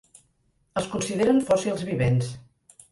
Es consideren fòssils vivents.